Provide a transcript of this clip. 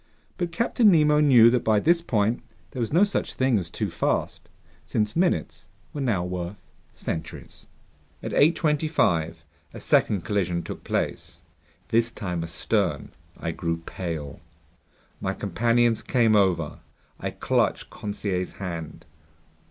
But Captain Nemo knew that by this point there was no such thing as too fast, since minutes were now worth centuries. At 8:25 a second collision took place. This time astern. I grew pale. My companions came over. I clutched Conseil's hand.